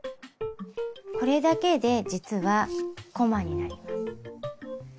これだけで実はこまになります。